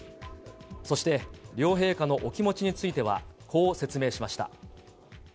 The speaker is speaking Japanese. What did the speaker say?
そして両陛下のお気持ちについては、こう説明しました。